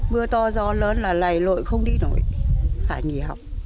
mưa to gió lớn là lầy lội không đi nổi phải nghỉ học